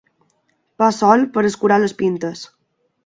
Pa sol, per escurar les pintes.